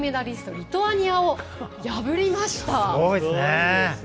リトアニアを破りました。